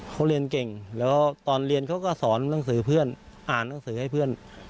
เขาเรียนเก่งแล้วตอนเรียนเขาก็สอนหนังสือเพื่อนอ่านหนังสือให้เพื่อน